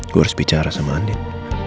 gue harus bicara sama andik